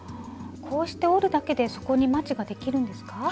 こうして折るだけで底にまちができるんですか？